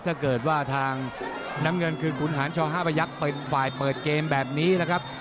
ถ้าเกิดว่าทางน้ำเงินคือขุนหารช๕ประยักษ์เป็นฝ่ายเปิดเกมแบบนี้นะครับ